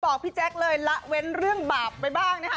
พี่แจ๊คเลยละเว้นเรื่องบาปไปบ้างนะคะ